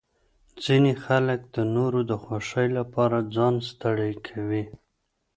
ځینې خلک د نورو د خوښۍ لپاره ځان ستړی کوي.